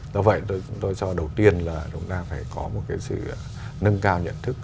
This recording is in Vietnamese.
do vậy tôi cho đầu tiên là chúng ta phải có một cái sự nâng cao nhận thức